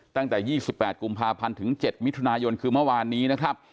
ตั้งแต่๒๘กุมภาพันธ์ถึง๗มิถุนายนคือเมื่อวานนี้นะครับ